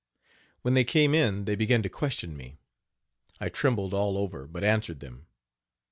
When they came in they began to question me. I trembled all over but answered them.